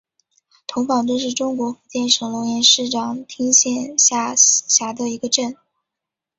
童坊镇是中国福建省龙岩市长汀县下辖的一个镇。